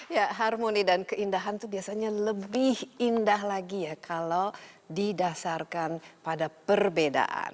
ya harmoni dan keindahan itu biasanya lebih indah lagi ya kalau didasarkan pada perbedaan